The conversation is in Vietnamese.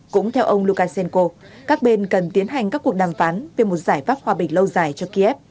cũng theo ông lukashenko các bên cần tiến hành các cuộc đàm phán về một giải pháp hòa bình lâu dài cho kiev